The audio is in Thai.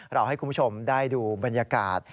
ให้คุณผู้ชมได้ดูบรรยากาศ